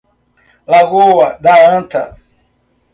Lagoa d'Anta